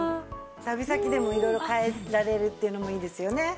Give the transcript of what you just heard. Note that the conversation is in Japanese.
旅先でも色々変えられるっていうのもいいですよね。